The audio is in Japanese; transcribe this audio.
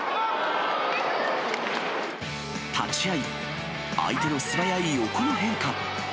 立ち合い、相手の素早い横の変化。